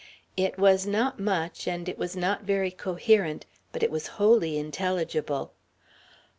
It was not much, and it was not very coherent, but it was wholly intelligible.